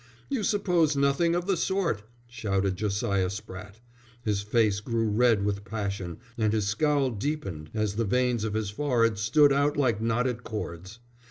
"You suppose nothing of the sort," shouted Josiah Spratte. His face grew red with passion and his scowl deepened as the veins of his forehead stood out like knotted cords.